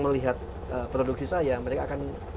melihat produksi saya mereka akan